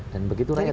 dan begitu rakyat